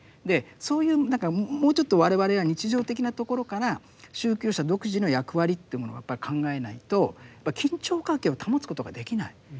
そういう何かもうちょっと我々は日常的なところから宗教者独自の役割というものをやっぱり考えないと緊張関係を保つことができない。